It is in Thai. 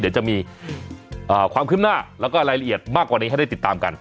เดี๋ยวจะมีความคืบหน้าแล้วก็รายละเอียดมากกว่านี้ให้ได้ติดตามกัน